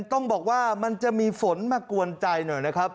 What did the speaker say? ต้องบอกว่ามันจะมีฝนมากวนใจหน่อยนะครับ